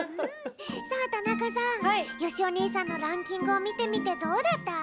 さあ田中さんよしお兄さんのランキングをみてみてどうだった？